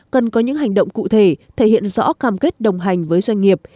cần có những hành động cụ thể thể hiện rõ cam kết đồng hành với doanh nghiệp